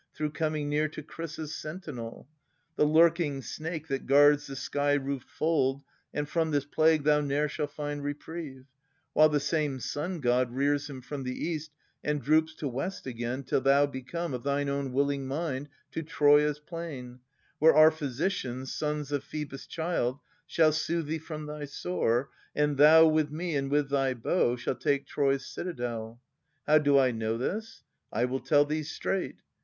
Through coming near to Chrysa's sentinel. The lurking snake, that guards the sky roofed fold^ And from this plague thou ne'er shall find reprieve While the same Sun god rears him from the east And droops to west again, till thou be come Of thine ovyn willing mind to Troia's plain, Where our physicians, sons of Phoebus' child", Shall soothe thee from thy sore, and thou with me And with this bow shalt take Troy's citadel. How do I know this? I will tell thee straight.